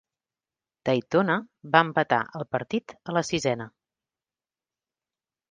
Daytona va empatar el partit a la sisena.